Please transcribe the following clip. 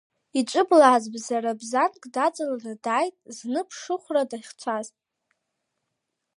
Иҿыблааз бзарбзанк даҵаланы дааит зны ԥшыхәра дахьцаз.